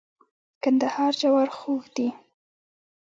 د کندهار جوار خوږ دي.